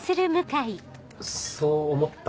そう思った？